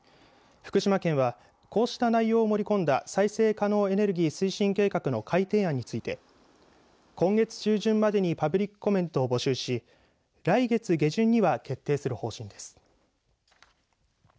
福島県はこうした内容を盛り込んだ再生可能エネルギー推進計画の改定案について今月中旬までにパブリックコメントを募集し来月下旬には決定する方針です。